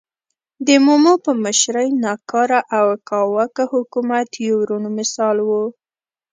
د مومو په مشرۍ ناکاره او کاواکه حکومت یو روڼ مثال و.